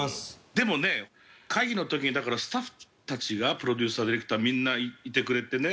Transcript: でもね会議の時にスタッフたちがプロデューサーディレクターみんないてくれてね